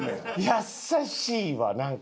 優しいわなんか。